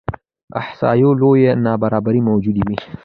احصایو لویه نابرابري موجوده وي.